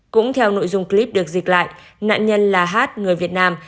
cũng theo nội dung clip được dịch lại nạn nhân là hát người việt nam